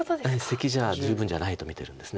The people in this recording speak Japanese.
セキじゃ十分じゃないと見てるんです。